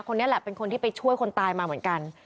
คนนี้แหละเป็นคนที่ไปช่วยคนตายมาเหมือนกัน